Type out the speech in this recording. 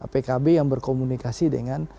pkb yang berkomunikasi dengan